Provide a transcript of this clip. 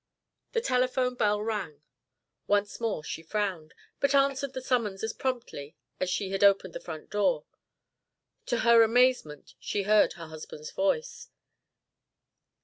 The telephone bell rang. Once more she frowned, but answered the summons as promptly as she had opened the front door. To her amazement she heard her husband's voice.